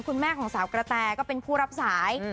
คุณแม่ของสาวกระแตก็เป็นผู้รับสาย